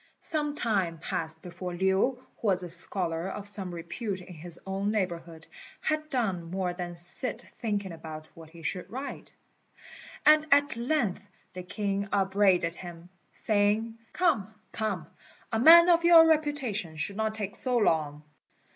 Some time passed before Lin, who was a scholar of some repute in his own neighbourhood, had done more than sit thinking about what he should write; and at length the king upbraided him, saying, "Come, come, a man of your reputation should not take so long."